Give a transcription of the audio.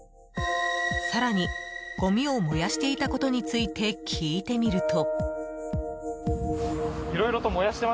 更にごみを燃やしていたことについて聞いてみると。